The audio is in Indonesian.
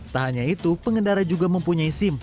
tak hanya itu pengendara juga mempunyai sim